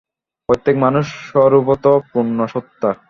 প্রত্যেক মানুষই স্বরূপত পূর্ণ সত্তা।